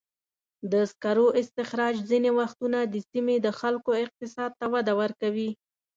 د سکرو استخراج ځینې وختونه د سیمې د خلکو اقتصاد ته وده ورکوي.